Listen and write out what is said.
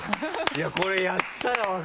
いやこれやったら分かる。